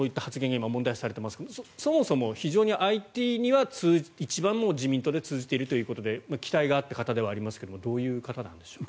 今、問題視されていますがそもそも、非常にＩＴには一番自民党で通じているということで期待があった方ではありますがどういう方なんでしょうか？